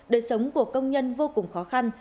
đời sống của công nhân vô cùng khó khăn